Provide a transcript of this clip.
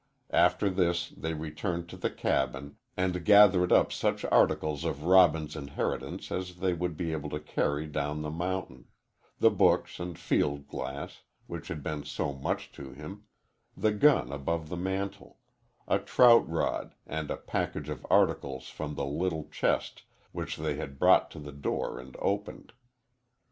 After this they returned to the cabin and gathered up such articles of Robin's inheritance as they would be able to carry down the mountain the books and field glass, which had been so much to him; the gun above the mantel, a trout rod and a package of articles from the little chest which they had brought to the door and opened.